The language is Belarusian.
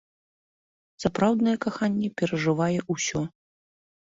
Сапраўднае каханне перажывае ўсё.